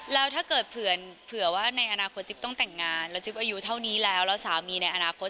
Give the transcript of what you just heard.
แล้วถ้าเกิดเผื่อว่าในอนาคตจิ๊บต้องแต่งงานแล้วจิ๊บอายุเท่านี้แล้วแล้วสามีในอนาคต